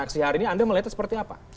aksi hari ini anda melihatnya seperti apa